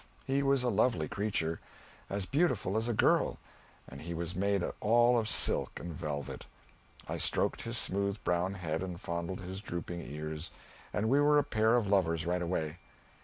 He was a lovely creature as beautiful as a girl, and he was made all of silk and velvet. I stroked his smooth brown head and fondled his drooping ears, and we were a pair of lovers right away.